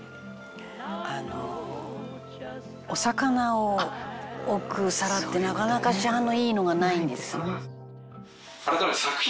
あのお魚を置く皿ってなかなか市販のいいのがないんですよ。